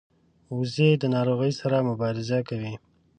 وزې د ناروغۍ سره ژر مبارزه کوي